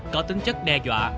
có tính chất đe dọa